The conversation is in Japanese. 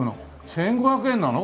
１５００円なの？